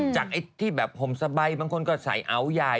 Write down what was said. จากไอ้ที่แบบผมสบายบางคนก็ใส่เอาใหญ่